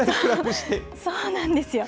そうなんですよ。